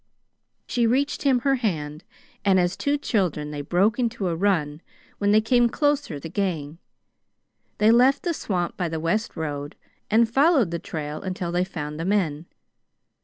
She reached him her hand, and as two children, they broke into a run when they came closer the gang. They left the swamp by the west road and followed the trail until they found the men.